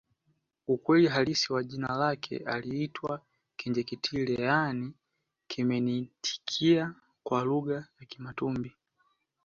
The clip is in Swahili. Ukweli halisi wa jina lake aliitwa Kinjeketile yaani kimeniitikia kwa lugha ya Kimatumbi